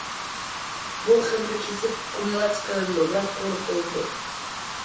بۇ خېمىر كېسىپ كۇمىلاچ قىلىنىدۇ ۋە قۇرۇتۇلىدۇ.